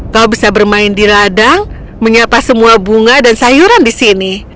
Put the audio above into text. kau bisa bermain di ladang menyapa semua bunga dan sayuran di sini